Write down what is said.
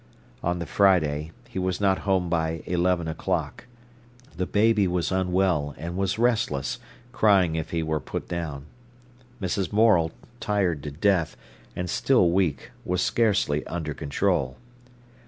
On the Friday, he was not home by eleven o'clock. The baby was unwell, and was restless, crying if he were put down. Mrs. Morel, tired to death, and still weak, was scarcely under control.